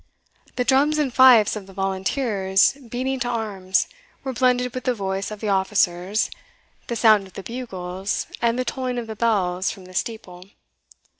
The drums and fifes of the volunteers beating to arms, were blended with the voice of the officers, the sound of the bugles, and the tolling of the bells from the steeple.